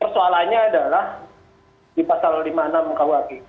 soalannya adalah di pasal lima puluh enam kuhg